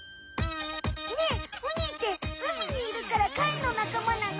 ねえウニって海にいるから貝のなかまなの？